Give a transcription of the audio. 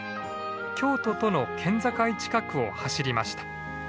京都との県境近くを走りました。